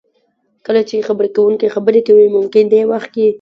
کله چې خبرې کوونکی خبرې کوي ممکن دې وخت کې